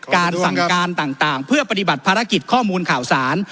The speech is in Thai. การสั่งการต่างเพื่อปฏิบัติภารกิจข้อมูลข่าวสาร